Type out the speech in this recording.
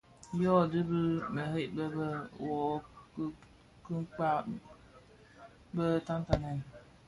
Yodhi, bi mereb be be, wuo a dhikpa, bè tatanèn,